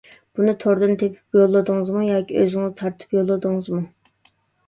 بۇنى توردىن تېپىپ يوللىدىڭىزمۇ ياكى ئۆزىڭىز تارتىپ يوللىدىڭىزمۇ؟